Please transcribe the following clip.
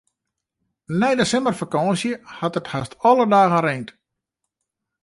Nei de simmerfakânsje hat it hast alle dagen reind.